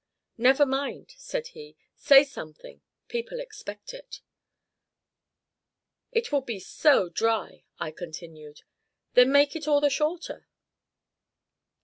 "Never mind," said he, "say something; people expect it." "It will be so dry," I continued. "Then make it all the shorter."